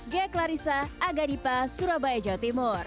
gek larissa agadipa surabaya jawa timur